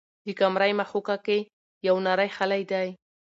د قمرۍ مښوکه کې یو نری خلی دی.